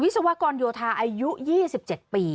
ศวกรโยธาอายุ๒๗ปี